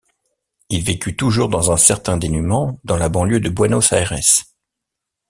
Il vécut toujours dans un certain dénuement, dans la banlieue de Buenos Aires.